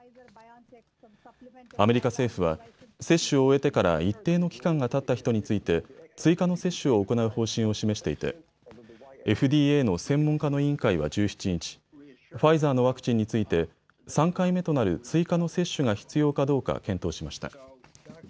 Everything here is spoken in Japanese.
アメリカ政府は接種を終えてから一定の期間がたった人について追加の接種を行う方針を示していてＦＤＡの専門家の委員会は１７日、ファイザーのワクチンについて３回目となる追加の接種が必要かどうか検討しました。